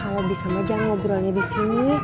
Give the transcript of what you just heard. kalau bisa majam ngobrolnya disini